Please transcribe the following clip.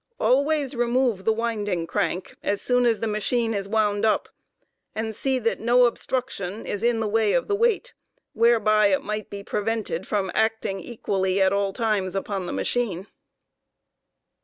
Always remove the winding crank as soon as the machine is wound up, and Winding, see that no obstruction is in the way of the weight, whereby it might be prevented from acting equally at all times upon the machine.